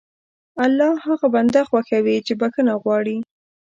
الله هغه بنده خوښوي چې بښنه غواړي.